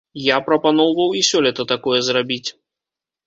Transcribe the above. Я прапаноўваў і сёлета такое зрабіць.